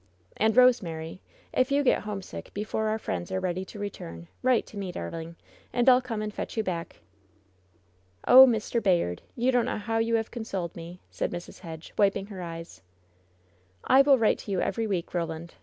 "And, Rosemary, if you get homesick before our friends are ready to return, write to me, darling, and I'll come and fetch you back." "Oh, Mr. Bayard ! you don't know how you have con soled me !" said Mrs. Hedge, wiping her eyes. "I will write to you every week, Roland.